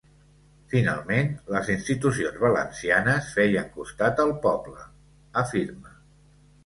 Finalment les institucions valencianes feien costat al poble, afirma.